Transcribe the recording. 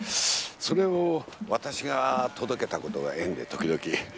それを私が届けた事が縁で時々。